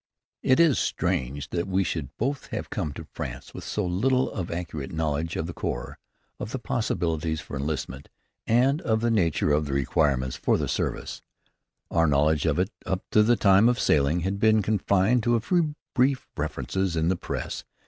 It is strange that we should both have come to France with so little of accurate knowledge of the corps, of the possibilities for enlistment, and of the nature of the requirements for the service. Our knowledge of it, up to the time of sailing, had been confined to a few brief references in the press.